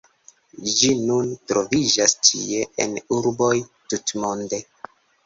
Ĝi nun troviĝas ĉie en urboj tutmonde.